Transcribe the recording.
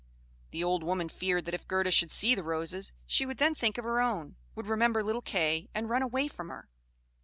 The old woman feared that if Gerda should see the roses, she would then think of her own, would remember little Kay, and run away from her.